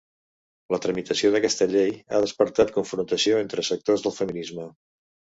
La tramitació d’aquesta llei ha despertat confrontació entre sectors del feminisme.